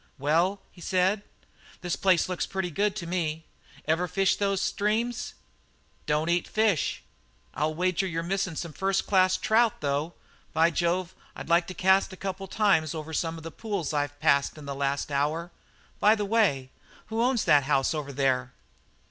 "Well," he said, "this place looks pretty good to me. Ever fish those streams?" "Don't eat fish." "I'll wager you're missing some first class trout, though. By Jove, I'd like to cast a couple of times over some of the pools I've passed in the last hour! By the way, who owns that house over there?"